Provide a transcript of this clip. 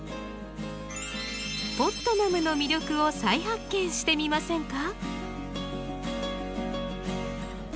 ポットマムの魅力を再発見してみませんか？